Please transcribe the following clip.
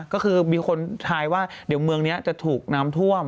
ก็คือมีคนทายว่าเดี๋ยวเมืองนี้จะถูกน้ำท่วม